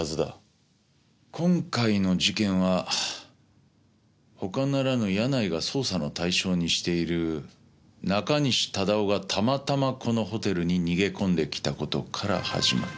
今回の事件は他ならぬ柳井が捜査の対象にしている中西忠雄がたまたまこのホテルに逃げ込んできた事から始まった。